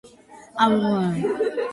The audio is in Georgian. საქმეში შეიძლება არსებობდეს მესამე მხარეც.